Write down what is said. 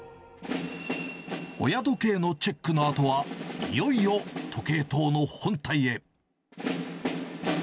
親時計のチェックのあとは、いよいよ時計塔の本体へ。